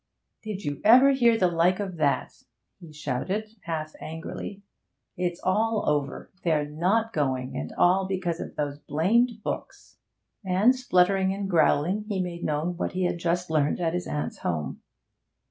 'Did you ever hear the like of that!' he shouted, half angrily. 'It's all over. They're not going! And all because of those blamed books!' And spluttering and growling, he made known what he had just learnt at his aunt's home.